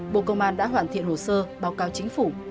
bộ công an đã hoàn thiện hồ sơ báo cáo chính phủ